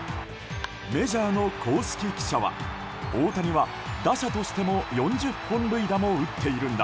メジャーの公式記者は大谷は打者としても４０本塁打も打っているんだ